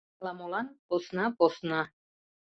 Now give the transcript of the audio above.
Ала-молан посна-посна.